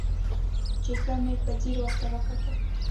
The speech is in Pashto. چې ښه مې په ځير ورته وکتل.